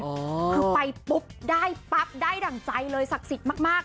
คือไปปุ๊บได้ปั๊บได้ดั่งใจเลยศักดิ์สิทธิ์มาก